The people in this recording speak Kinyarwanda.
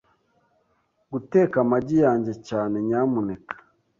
Guteka amagi yanjye cyane., nyamuneka .